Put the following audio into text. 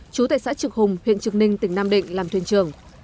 chú tại xã trực hùng huyện trực ninh tỉnh nam định làm thuyền trưởng